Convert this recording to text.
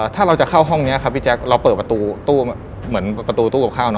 ถ้าเราจะเข้าห้องนี้ครับพี่แจ๊คเราเปิดประตูตู้เหมือนประตูตู้กับข้าว